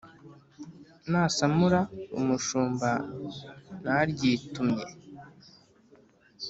nasamura umushumba naryitumye,